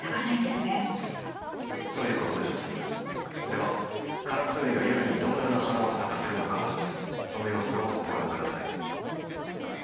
ではカラスウリが夜にどのような花を咲かせるのかその様子をご覧下さい。